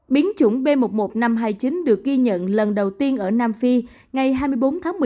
biến chủng b một một năm trăm hai mươi chín được ghi nhận lần đầu tiên ở nam phi ngày hai mươi bốn tháng một mươi một